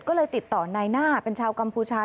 ก็เลยติดต่อนายหน้าเป็นชาวกัมพูชา